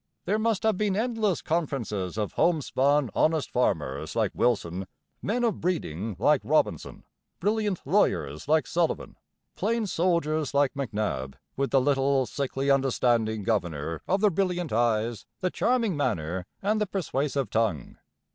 There must have been endless conferences of homespun, honest farmers like Willson, men of breeding like Robinson, brilliant lawyers like Sullivan, plain soldiers like MacNab, with the little, sickly, understanding governor of the brilliant eyes, the charming manner, and the persuasive tongue.